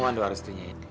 mohon doa restrinya ya